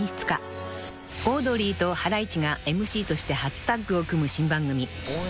［オードリーとハライチがＭＣとして初タッグを組む新番組］